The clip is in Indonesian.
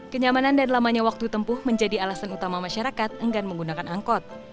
kenyamanan dan lamanya waktu tempuh menjadi alasan utama masyarakat enggan menggunakan angkot